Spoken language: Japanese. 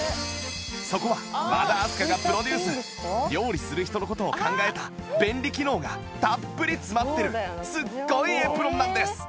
そこは和田明日香がプロデュース料理する人の事を考えた便利機能がたっぷり詰まってるすっごいエプロンなんです